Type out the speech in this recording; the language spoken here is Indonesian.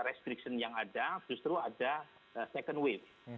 restriction yang ada justru ada second wave